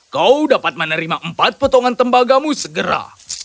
kau dapat menerima empat potongan tembagamu segera